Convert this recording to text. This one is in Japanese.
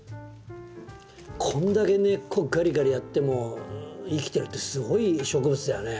これだけ根っこがりがりやっても生きてるってすごい植物だよね。